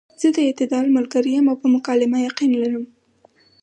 زۀ د اعتدال ملګرے يم او پۀ مکالمه يقين لرم -